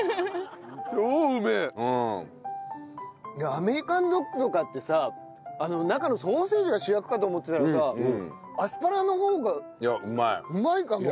アメリカンドッグとかってさ中のソーセージが主役かと思ってたらさアスパラの方がうまいかも！